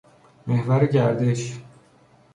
محور گردش